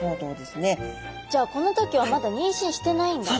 じゃあこの時はまだ妊娠してないんだ。